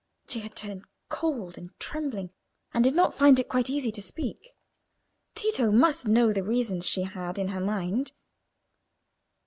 She had turned cold and trembling, and did not find it quite easy to speak. Tito must know the reasons she had in her mind.